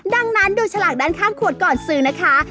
ดังนั้นดูฉลากด้านข้างขวดก่อนซื้อนะคะ